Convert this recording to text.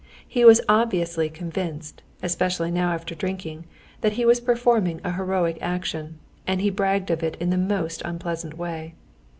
He was obviously convinced, especially now after drinking, that he was performing a heroic action, and he bragged of it in the most unpleasant way.